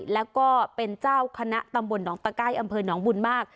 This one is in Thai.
แล้วก็เป็นเจ้าคณะตำบลหนองตะไก้อำเภอหนองบุญมาก